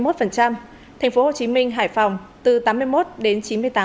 tp hcm hải phòng từ tám mươi một đến chín mươi tám